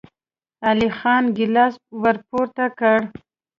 علی خان ګيلاس ور پورته کړ.